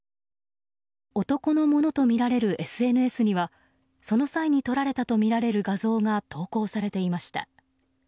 男のものとみられるＳＮＳにはその際に撮られたとみられる画像が投稿されていました。